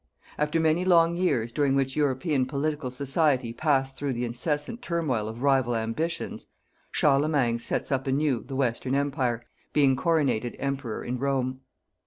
After many long years during which European political society passed through the incessant turmoil of rival ambitions, Charlemagne sets up anew the Western Empire, being coronated Emperor in Rome.